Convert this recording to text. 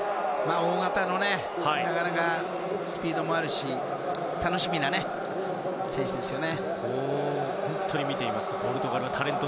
大型でスピードもあるし楽しみな選手ですよね。